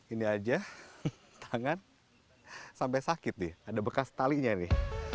ini aja tangan sampai sakit nih ada bekas talinya nih